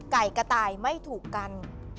กระต่ายไม่ถูกกัน